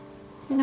何？